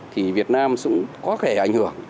thì việt nam cũng có thể ảnh hưởng